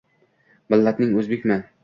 — Millating o‘zbekmi?